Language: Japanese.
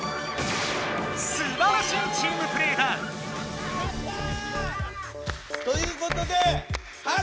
すばらしいチームプレーだ！ということでｈｅｌｌｏ，の勝利！